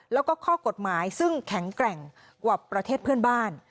แล้วก็ข้อกฎหมายซึ่งแข็งแกร่งกว่าประเทศเพื่อนบ้าน